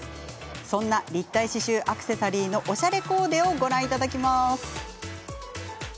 そんな立体刺しゅうアクセサリーのおしゃれコーデ、ご覧ください。